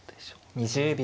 ２０秒。